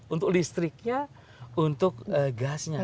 untuk listriknya untuk gasnya